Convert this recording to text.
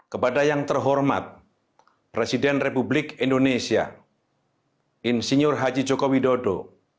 kepada yang terhormat presiden republik indonesia insinyur haji joko widodo